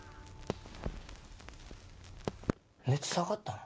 熱下がったな。